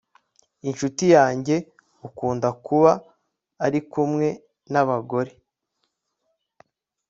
inshuti yange ukunda kuba arikumwe nabagore